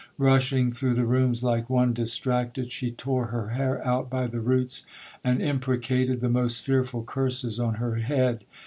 Rushing through the rooms like one distracted, she tore her hair out by the roots, and imprecated the most fearful curses on her head.